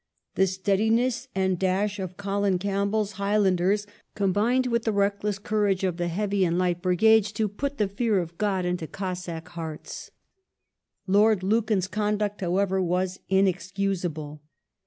The steadiness and dash of Colin Campbell's High landers combined with the reckless courage of the Heavy and the Light Brigades to put the fear of God into Cossack hearts. Lord Lucan's conduct, however, was inexcusable.